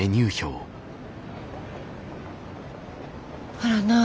あらない。